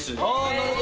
なるほど。